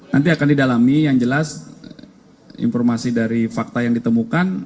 nanti akan didalami yang jelas informasi dari fakta yang ditemukan